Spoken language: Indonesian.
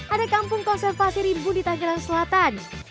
ada kampung konservasi rimbun di tangerang selatan